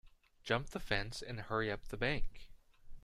Jump the fence and hurry up the bank.